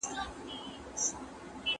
ده د اوازو خپرېدل نه خوښول.